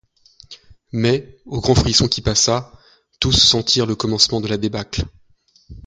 Mais, au grand frisson qui passa, tous sentirent le commencement de la débâcle.